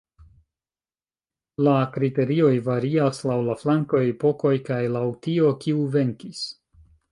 La kriterioj varias laŭ la flankoj, epokoj kaj laŭ tio, kiu venkis.